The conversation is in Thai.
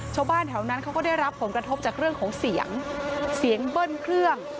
ชาวบ้านแถวนั้นเขาก็ได้รับผลกระทบจากเรื่องของเสียงเสียงเบิ้ลเครื่อง